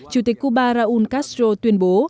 chủ tịch cuba raúl castro tuyên bố